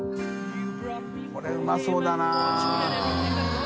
海うまそうだな。